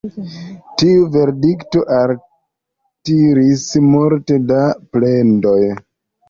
Tiu verdikto altiris multe da plendoj.